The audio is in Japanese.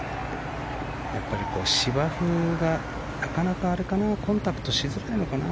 やっぱり、芝生がなかなかコンタクトしづらいのかな。